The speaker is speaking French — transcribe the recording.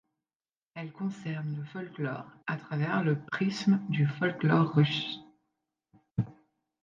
Elle concerne le folklore à travers le prisme du folklore russe.